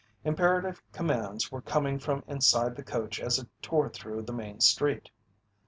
Imperative commands were coming from inside the coach as it tore through the main street.